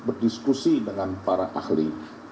berdiskusi dengan para ahli